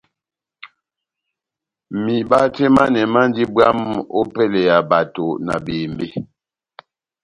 Miba tɛh manɛ mandi bwamh opɛlɛ ya bato na bembe.